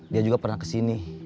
dia juga pernah kesini